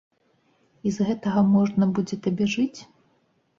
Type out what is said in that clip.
І з гэтага можна будзе табе жыць?